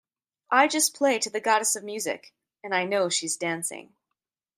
I just play to the goddess of music-and I know she's dancing.